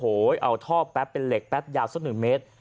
โอ้โหเอาท่อแป๊บเป็นเหล็กแป๊บยาวสักหนึ่งเมตร